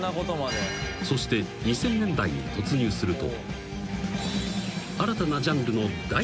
［そして２０００年代に突入すると］